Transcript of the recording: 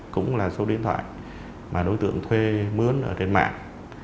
cũng là số điện thoại mà đối tượng thuê mướn ở trên mạng